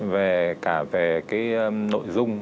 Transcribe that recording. về cả về cái nội dung